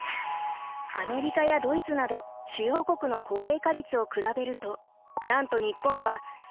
アメリカやドイツなど主要国の高齢化率を比べるとなんと日本は世界一！